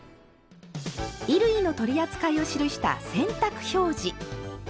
衣類の取り扱いを記した「洗濯表示」。